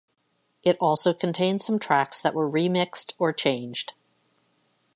It also contains some tracks that were remixed or changed.